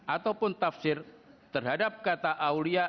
ataupun tafsir terhadap kata aulia